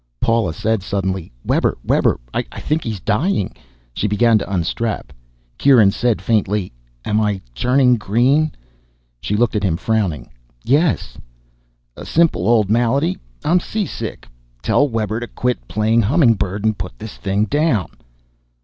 Paula said suddenly, "Webber. Webber, I think he's dying." She began to unstrap. Kieran said faintly, "Am I turning green?" She looked at him, frowning. "Yes." "A simple old malady. I'm seasick. Tell Webber to quit playing humming bird and put this thing down."